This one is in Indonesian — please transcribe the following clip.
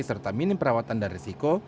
serta minim perawatan dan risiko